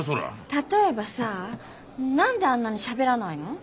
例えばさ何であんなにしゃべらないの？